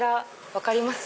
「分かります？」。